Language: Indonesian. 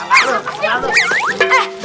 aduh aduh aduh